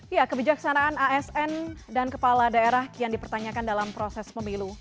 ya kebijaksanaan asn dan kepala daerah kian dipertanyakan dalam proses pemilu